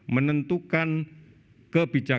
dan kemudian pemerintah